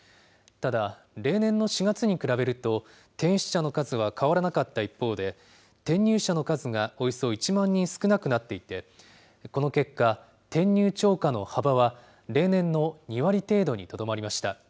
ただ、例年の４月に比べると転出者の数は変わらなかった一方で、転入者の数がおよそ１万人少なくなっていて、この結果、転入超過の幅は例年の２割程度にとどまりました。